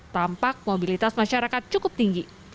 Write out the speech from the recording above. tampak mobilitas masyarakat cukup tinggi